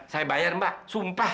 saya bayar mbak sumpah